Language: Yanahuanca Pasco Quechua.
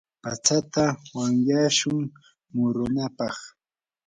patsata wanyashun murunapaq.